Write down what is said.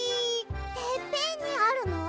てっぺんにあるの？